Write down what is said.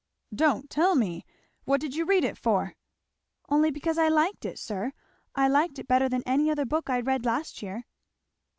"Don't tell me! What did you read it for?" "Only because I liked it, sir. I liked it better than any other book I read last year."